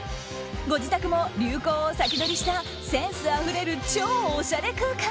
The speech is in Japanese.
ご自宅も流行を先取りしたセンスあふれる超おしゃれ空間！